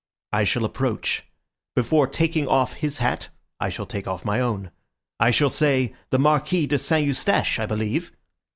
"I shall approach. Before taking off his hat, I shall take off my own. I shall say, 'The Marquis de Saint Eustache, I believe.